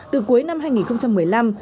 từ cuối năm hai nghìn một mươi năm